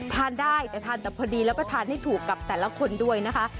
ทานได้แต่ทานแต่พอดีแล้วก็ทานให้ถูกกับแต่ละคนด้วยนะคะ